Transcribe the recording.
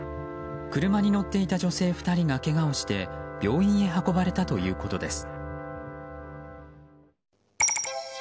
車に乗っていた女性２人がけがをして病院へ運ばれたということです。